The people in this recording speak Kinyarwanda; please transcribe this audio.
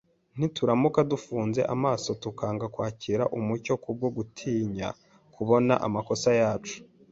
Nituramuka dufunze amaso tukanga kwakira umucyo kubwo gutinya kubona amakosa yacu